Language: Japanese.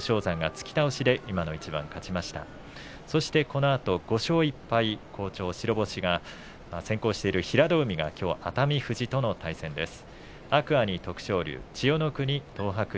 このあと５勝１敗白星先行している平戸海はきょうは熱海富士との対戦です。